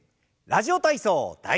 「ラジオ体操第１」。